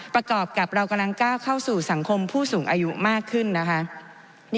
ประกอบกับเรากำลังก้าวเข้าสู่สังคมผู้สูงอายุมากขึ้นนะคะ